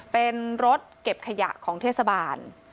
เป็นรถเก็บขยะของเทศบาล